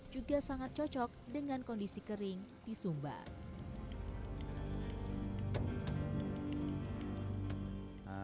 juga sangat cocok dengan kondisi kering di sumba